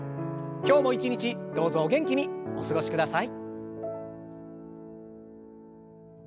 今日も一日どうぞお元気にお過ごしください。